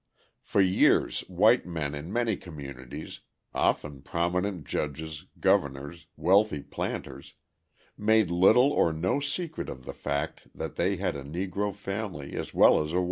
For years white men in many communities, often prominent judges, governors, wealthy planters, made little or no secret of the fact that they had a Negro family as well as a white family.